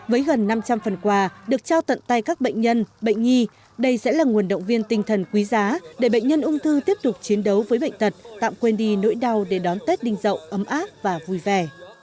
với gần năm trăm linh phần quà được trao tận tay các bệnh nhân bệnh nhi đây sẽ là nguồn động viên tinh thần quý giá để bệnh nhân ung thư tiếp tục chiến đấu với bệnh tật tạm quên đi nỗi đau để đón tết đinh dậu ấm áp và vui vẻ